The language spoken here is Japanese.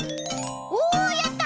おやった！